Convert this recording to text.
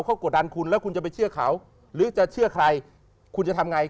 เขากดดันคุณแล้วคุณจะไปเชื่อเขาหรือจะเชื่อใครคุณจะทำไง